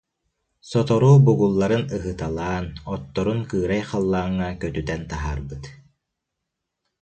Сотору бугулларын ыһыталаан, отторун кыырай халлааҥҥа көтүтэн таһаарбыт